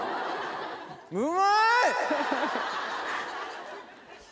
うまい！